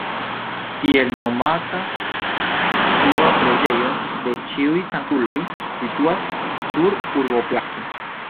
Tiel nomata suba preĝejo de Ĉiuj Sanktuloj situas sur urboplaco.